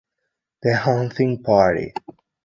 The Hunting Party